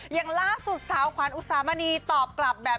อย่างล่าสุดสาวขวัญอุสามณีตอบกลับแบบ